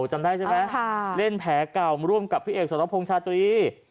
จำได้ใช่ไหมเล่นแผลเก่าร่วมกับพี่เอกสรพงษ์ชาตรี